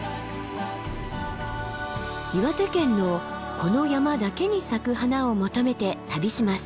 岩手県のこの山だけに咲く花を求めて旅します。